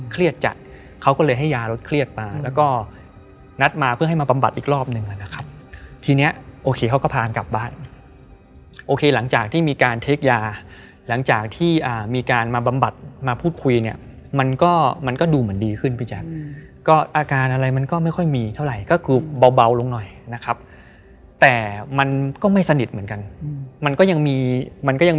จัดเขาก็เลยให้ยาลดเครียดมาแล้วก็นัดมาเพื่อให้มาบำบัดอีกรอบหนึ่งนะครับทีเนี้ยโอเคเขาก็พากลับบ้านโอเคหลังจากที่มีการเทคยาหลังจากที่มีการมาบำบัดมาพูดคุยเนี่ยมันก็มันก็ดูเหมือนดีขึ้นพี่แจ๊คก็อาการอะไรมันก็ไม่ค่อยมีเท่าไหร่ก็คือเบาลงหน่อยนะครับแต่มันก็ไม่สนิทเหมือนกันมันก็ยังมีมันก็ยัง